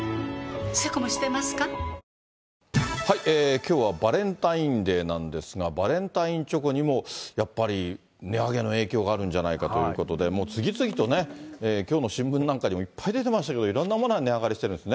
きょうはバレンタインデーなんですが、バレンタインチョコにもやっぱり値上げの影響があるんじゃないかということで、もう次々とね、きょうの新聞なんかにもいっぱい出てましたけれども、いろんなものが値上がりしてるんですね。